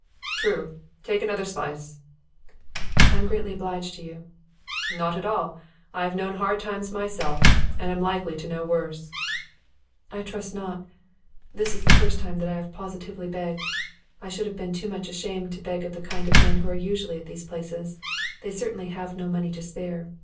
'True. Take another slice.' 'I am greatly obliged to you.' 'Not at all. I have known hard times myself, and am likely to know worse.' 'I trust not. This is the first time that I have positively begged. I should have been too much ashamed to beg of the kind of men who are usually at these places; they certainly have no money to spare.